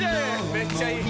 めっちゃいい・